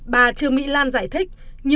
bà trương mỹ lan giải thích